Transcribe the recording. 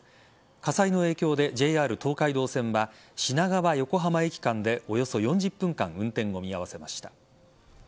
火災の影響でＪＲ東海道線は品川横浜駅間でおよそ４０分間運転を見合わせました。